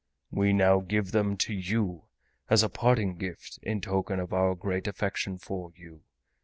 We now give them to you as a parting gift in token of our great affection for you.